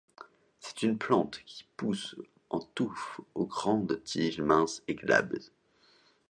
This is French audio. C'est une plante qui pousse en touffe aux grandes tiges minces et glabres.